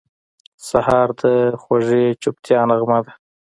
سهار د خوږې چوپتیا نغمه ده.